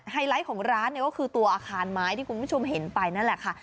ไฮไลท์ของร้านก็คือตัวอาคราม้ายที่คุณผู้ชมเห็นไปนะแหละค่ะ